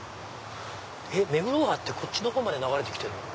目黒川ってこっちのほうまで流れて来てるの？